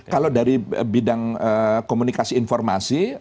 kalau dari bidang komunikasi informasi